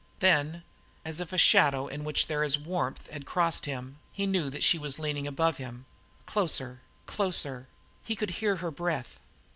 Then, as if a shadow in which there is warmth had crossed him, he knew that she was leaning above him, close, closer; he could hear her breath.